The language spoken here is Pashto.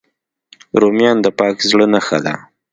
رومیان د پاک زړه نښه ده